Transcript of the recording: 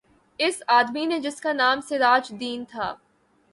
اس آدمی نے جس کا نام سراج دین تھا